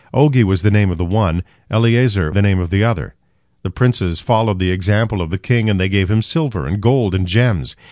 'Ogi was the name of the one, Eliezer the name of the other. The princes followed the example of the king, and they gave him silver, and gold, and gems.